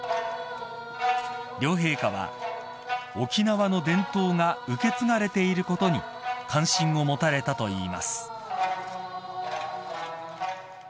［両陛下は沖縄の伝統が受け継がれていることに関心を持たれたといいます］